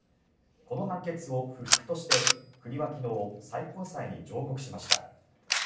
この判決を不服として国は昨日最高裁に上告しました。